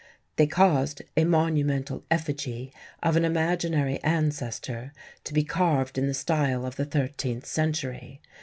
"They caused a monumental effigy of an imaginary ancestor to be carved in the style of the thirteenth century